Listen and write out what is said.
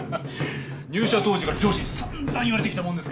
入社当時から上司に散々言われてきたもんですからね